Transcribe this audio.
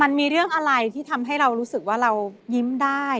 มันมีเรื่องอะไรที่ทำให้เรารู้สึกว่าเรายิ้มได้